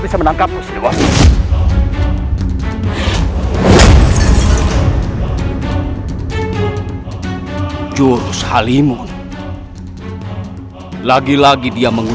jangan salahkan aku